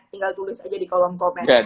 tinggal tulis aja di kolom komen